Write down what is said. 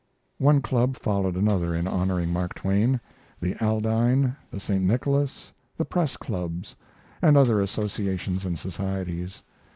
One club followed another in honoring Mark Twain the Aldine, the St. Nicholas, the Press clubs, and other associations and societies.